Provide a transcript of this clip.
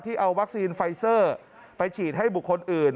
เอาวัคซีนไฟเซอร์ไปฉีดให้บุคคลอื่น